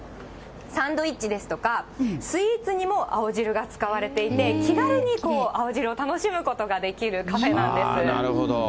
サンドイッチですとか、スイーツにも青汁が使われていて、気軽に青汁を楽しむことができるカフェなるほど。